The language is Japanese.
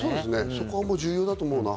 そこは重要だと思うな。